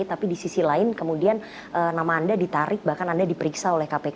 tapi di sisi lain kemudian nama anda ditarik bahkan anda diperiksa oleh kpk